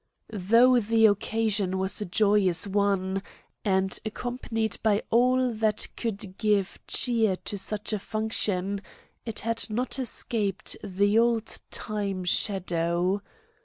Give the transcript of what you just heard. Though the occasion was a joyous one and accompanied by all that could give cheer to such a function, it had not escaped the old time shadow.